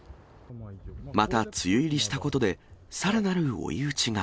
また、梅雨入りしたことで、さらなる追い打ちが。